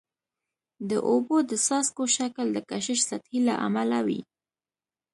د اوبو د څاڅکو شکل د کشش سطحي له امله وي.